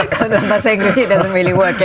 kalau dalam bahasa inggrisnya it doesn't really work ya